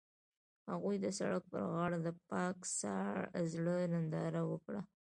هغوی د سړک پر غاړه د پاک زړه ننداره وکړه.